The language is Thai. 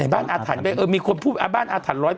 บ้านอาถรรย์อ่ะอ่ะบ้านอาทรรย์